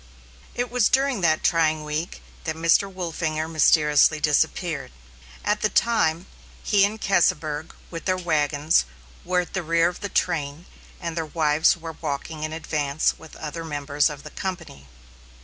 It was during that trying week that Mr. Wolfinger mysteriously disappeared. At the time, he and Keseberg, with their wagons, were at the rear of the train, and their wives were walking in advance with other members of the company.